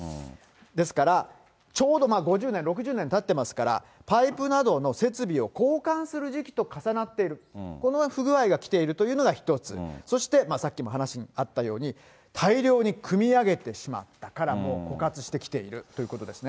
ですから、ちょうど５０年、６０年たってますから、パイプなどの設備を交換する時期と重なっている、この不具合が来ているというのが一つ、そしてさっきも話にあったように、大量にくみ上げてしまったから、枯渇してきているということですね。